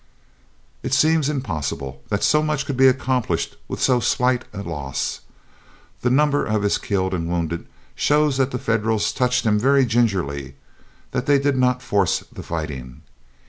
It seems impossible that so much could be accomplished with so slight a loss. The number of his killed and wounded shows that the Federals touched him very gingerly; that they did not force the fighting.